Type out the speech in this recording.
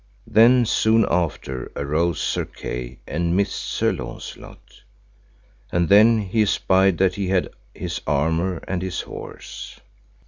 Then soon after arose Sir Kay and missed Sir Launcelot. And then he espied that he had his armour and his horse.